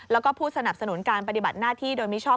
แล้วก็ผู้สนับสนุนการปฏิบัติหน้าที่โดยมิชอบ